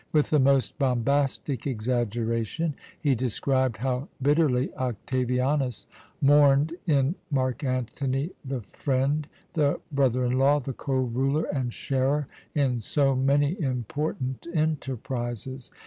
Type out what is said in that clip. With the most bombastic exaggeration he described how bitterly Octavianus mourned in Mark Antony the friend, the brother in law, the co ruler and sharer in so many important enterprises.